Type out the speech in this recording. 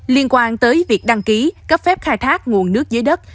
liên quan tới việc đăng ký cấp phép khai thác nguồn nước dưới đất